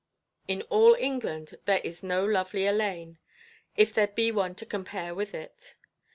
In all England there is no lovelier lane, if there be one to compare with it.